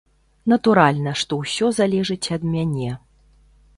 Натуральна, што ўсё залежыць ад мяне.